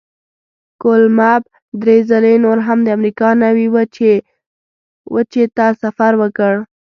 کولمب درې ځلې نور هم د امریکا نوي وچې ته سفر وکړ.